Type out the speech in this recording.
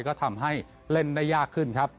ก็ทำให้เล่นได้ยากขึ้นครับ